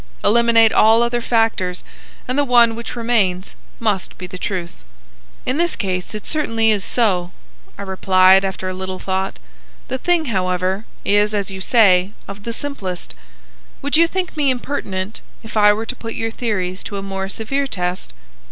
Eliminate all other factors, and the one which remains must be the truth." "In this case it certainly is so," I replied, after a little thought. "The thing, however, is, as you say, of the simplest. Would you think me impertinent if I were to put your theories to a more severe test?"